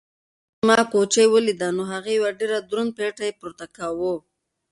کله چې ما کوچۍ ولیده نو هغې یو ډېر دروند پېټی پورته کاوه.